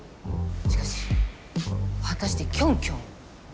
しかし果たしてキョンキョンは。